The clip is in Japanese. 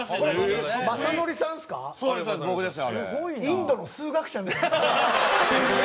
インドの数学者みたいに。